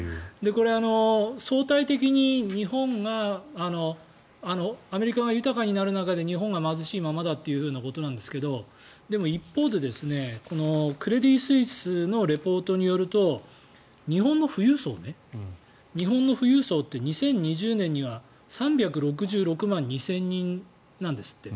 これ、相対的に日本がアメリカが豊かになる中で日本が貧しいままだということなんですけどでも一方でクレディ・スイスのリポートによると日本の富裕層って２０２０年には３３６万２０００人なんですって。